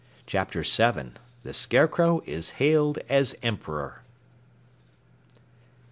CHAPTER 7 THE SCARECROW IS HAILED AS EMPEROR!